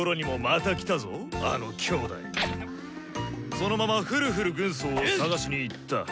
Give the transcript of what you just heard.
そのままフルフル軍曹を捜しに行った。